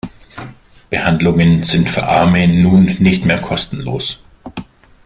Behandlungen sind für Arme nun nicht mehr kostenlos.